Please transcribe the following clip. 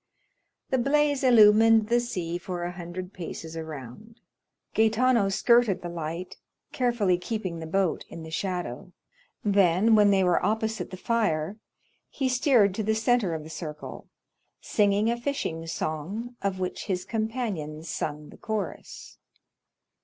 The blaze illumined the sea for a hundred paces around. Gaetano skirted the light, carefully keeping the boat in the shadow; then, when they were opposite the fire, he steered to the centre of the circle, singing a fishing song, of which his companions sung the chorus.